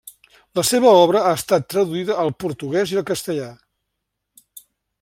La seva obra ha estat traduïda al portuguès i al castellà.